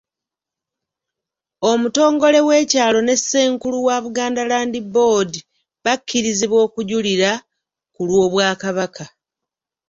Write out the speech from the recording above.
Omutongole w'ekyalo ne Ssenkulu wa Buganda Land Board bakkirizibwa okujulira ku lw'Obwakabaka.